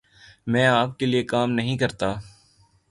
میں آپ کے لئے کام نہیں کرتا۔